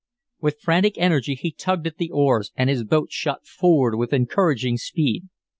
With frantic energy he tugged at the oars, and his boat shot forward with encouraging speed.